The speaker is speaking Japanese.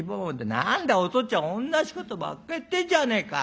「何だよおとっつぁんおんなしことばっか言ってんじゃねえか。